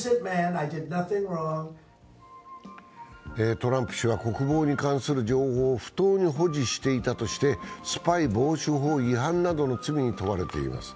トランプ氏は国防に関する情報を不当に保持していたとして、スパイ防止法違反などの罪に問われています。